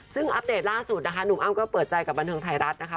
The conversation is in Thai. ซึ่งอัปเดตล่าสุดนะคะหนุ่มอ้ำก็เปิดใจกับบันเทิงไทยรัฐนะคะ